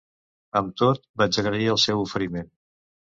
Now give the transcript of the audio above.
Amb tot, vaig agrair el seu oferiment.